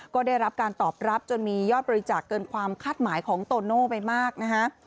ก็ได้รับการตอบรับจนมียอดบริจาคเกินความคาดหมายของโตโน่ไปมากนะฮะ